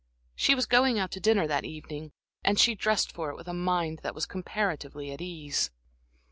She was going out to dinner that evening, and she dressed for it with a mind that was comparatively at ease.